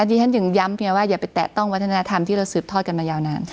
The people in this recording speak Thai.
หญ้าเก่งย้ำอย่าไปแตะต้องวัฒนธรรมที่สืบทอดหยาวนาน